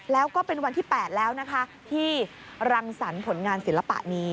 แล้วก็เป็นวันที่๘แล้วนะคะที่รังสรรค์ผลงานศิลปะนี้